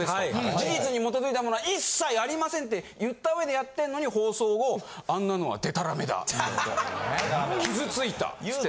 事実に基づいたものは一切ありませんって言ったうえでやってるのに放送後あんなのはデタラメだとか言われて傷ついたっつって。